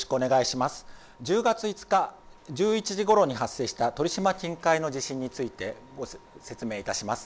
１０月５日１１時ごろに発生した鳥島近海の地震について説明いたします。